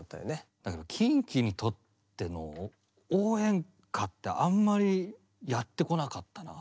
だけどＫｉｎＫｉにとっての応援歌ってあんまりやってこなかったなあ。